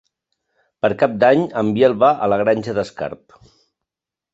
Per Cap d'Any en Biel va a la Granja d'Escarp.